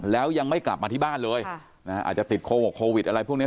แล้วยังไม่กลับมาที่บ้านเลยอาจจะติดโควิดอะไรพวกนี้